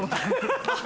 ハハハ！